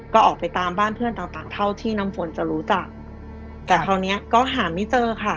ก็ออกไปตามบ้านเพื่อนต่างต่างเท่าที่น้ำฝนจะรู้จักแต่คราวเนี้ยก็หาไม่เจอค่ะ